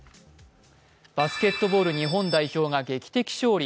バスケットボール日本代表が劇的勝利。